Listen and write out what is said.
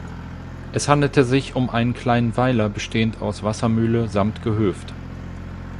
Es handelte sich um einen kleiner Weiler bestehend aus Wassermühle samt Gehöft.